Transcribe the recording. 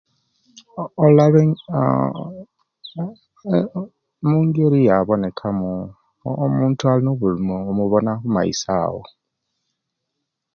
Ooh olwani aaah aaa eee mungeri gyawonekamu omuntu Alina obulumi omubona okumaiso awo